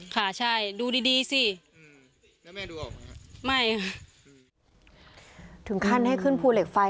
ค่ะใช่ดูดีดีสิแล้วแม่ดูออกไหมฮะไม่ค่ะถึงขั้นให้ขึ้นภูเหล็กไฟ